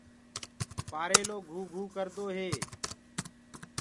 پآريل گھوگھو ڪردو هي۔